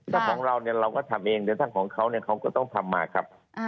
ถ้าของเราเนี่ยเราก็ทำเองเดี๋ยวถ้าของเขาเขาก็ต้องทำมาครับ